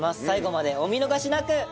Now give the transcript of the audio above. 最後までお見逃しなく！